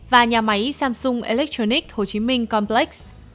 và nhà máy samsung electronics hồ chí minh complex